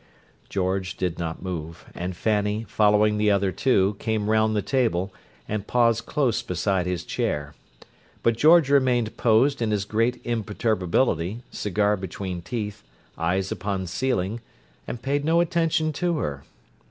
George did not move, and Fanny, following the other two, came round the table, and paused close beside his chair; but George remained posed in his great imperturbability, cigar between teeth, eyes upon ceiling, and paid no attention to her.